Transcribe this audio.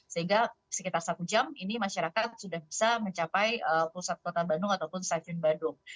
sehingga sekitar satu jam ini masyarakat sudah bisa mencapai pusat kota bandung ataupun stasiun badung